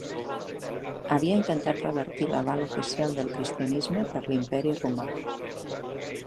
Havia intentat revertir l'aval oficial del cristianisme per l'Imperi Romà.